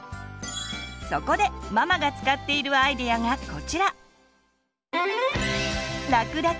そこでママが使っているアイデアがこちら！